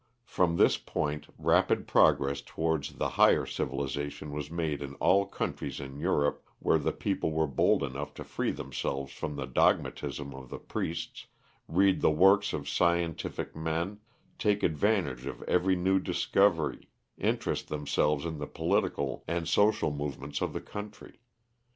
From this point rapid progress towards the higher civilisation was made in all countries in Europe where the people were bold enough to free themselves from the dogmatism of the priests, read the works of scientific men, take advantage of every new discovery, interest themselves in the political and social movements of the country.